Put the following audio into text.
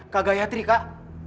kak gayatri kak